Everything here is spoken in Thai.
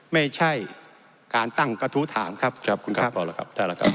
ไม่ใช่การตั้งกระทู้ถามครับ